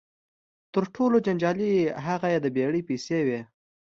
تر ټولو جنجالي هغه یې د بېړۍ پیسې وې.